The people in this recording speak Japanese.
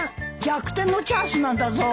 逆転のチャンスなんだぞ？